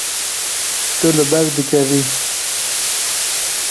Tu li ber dikevî.